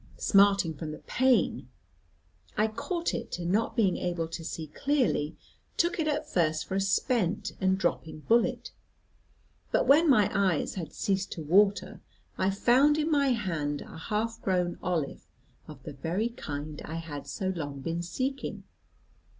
Smarting from the pain. I caught it, and not being able to see clearly, took it at first for a spent and dropping bullet. But when my eyes had ceased to water, I found in my hand a half grown olive of the very kind I had so long been seeking.